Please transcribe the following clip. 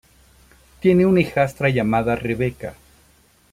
Tiene una hijastra llamada Rebecca.